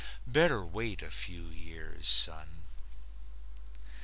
Better wait a few years, son.